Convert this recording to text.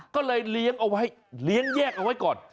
ก็เลยเลี้ยงเอาไว้เลี้ยงแยกเอาไว้ก่อน